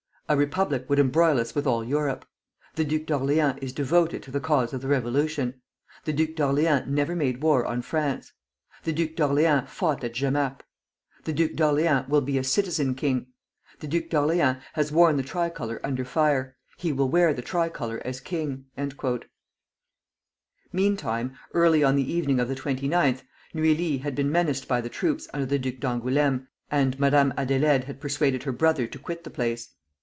A Republic would embroil us with all Europe. The Duke of Orleans is devoted to the cause of the Revolution. The Duke of Orleans never made war on France. The Duke of Orleans fought at Jemappes. The Duke of Orleans will be a Citizen King. The Duke of Orleans has worn the tricolor under fire: he will wear the tricolor as king." Meantime, early on the evening of the 29th, Neuilly had been menaced by the troops under the Duc d'Angoulême, and Madame Adélaïde had persuaded her brother to quit the place.